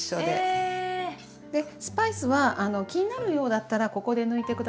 スパイスは気になるようだったらここで抜いて下さい。